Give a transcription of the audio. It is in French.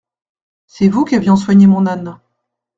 C'est vous qu'avions soigné mon âne.